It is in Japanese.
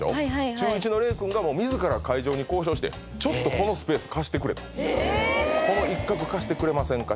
中１の玲くんが自ら会場に交渉してちょっとこのスペース貸してくれとこの一画貸してくれませんか？